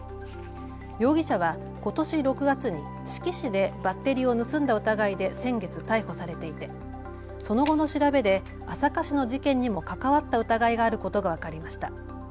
容疑者はことし６月に志木市でバッテリーを盗んだ疑いで先月、逮捕されていてその後の調べで朝霞市の事件にも関わった疑いがあることが分かりました。